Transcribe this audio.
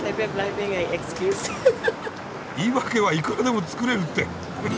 「言い訳はいくらでも作れる」って。